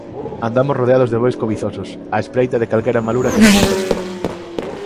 Andamos rodeados de bois cobizosos, á espreita de calquera malura que nos infeste.